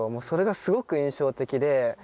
それがすごく印象的で。